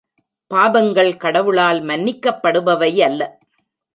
பாபங்கள் கடவுளால் மன்னிக்கப்படுபவையல்ல.